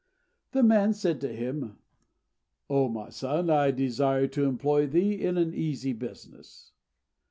The man said to him, "O my son, I desire to employ thee in an easy business."